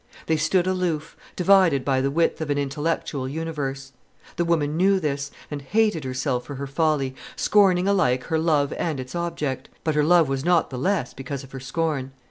They stood aloof, divided by the width of an intellectual universe. The woman knew this, and hated herself for her folly, scorning alike her love and its object; but her love was not the less because of her scorn.